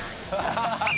ハハハハ！